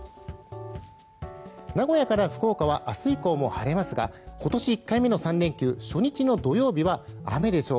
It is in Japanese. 名古屋から福岡は明日以降も晴れますが今年１回目の３連休初日の土曜日は雨でしょう。